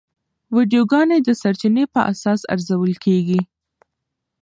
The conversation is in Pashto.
ویډیوګانې د سرچینې په اساس ارزول کېږي.